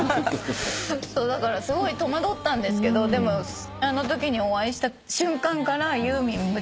だからすごい戸惑ったんですけどでもあのときにお会いした瞬間からユーミン